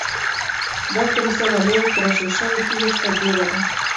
دا کلیسا له لویو تراشل شویو تیږو څخه جوړه ده.